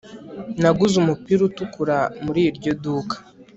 naguze umupira utukura muri iryo duka